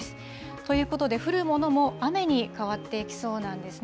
ということで、降るものも雨に変わってきそうなんですね。